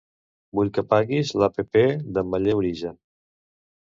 Vull que apaguis l'app d'Ametller Origen.